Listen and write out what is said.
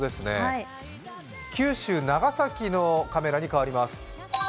九州・長崎のカメラに変わります。